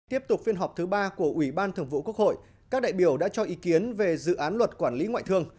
tiếp tục phiên họp thứ ba của ủy ban thường vụ quốc hội các đại biểu đã cho ý kiến về dự án luật quản lý ngoại thương